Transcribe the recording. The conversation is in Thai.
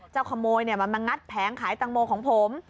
ขโมยมันมางัดแผงขายตังโมของผม